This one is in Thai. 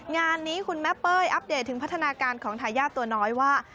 งานนี้คุณแม่เป้ยอัปเดตถึงพัฒนาการของทายาทตัวน้อยว่า